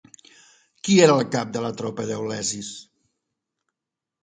Qui era el cap de la tropa d'Eleusis?